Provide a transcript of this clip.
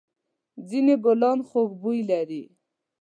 ځېنې گلان خوږ بوی لري.